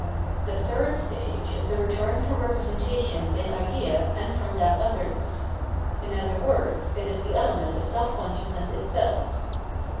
The third stage is the return from representation in idea and from that otherness ; in other words, it is the ele ment of self consciousness itself.